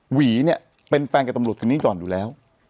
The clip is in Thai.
หวีเนี่ยเป็นแฟนกับตำรวจคนนี้ก่อนอยู่แล้ว